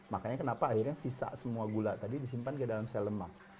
makanya kenapa akhirnya sisa semua gula tadi disimpan ke dalam sel lemak